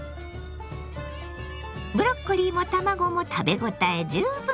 ブロッコリーも卵も食べ応え十分。